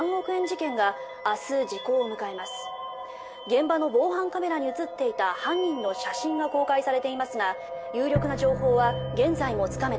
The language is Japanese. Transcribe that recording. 「現場の防犯カメラに映っていた犯人の写真が公開されていますが有力な情報は現在もつかめていません」